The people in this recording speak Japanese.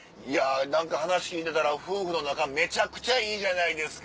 何か話聞いてたら夫婦の仲めちゃくちゃいいじゃないですか。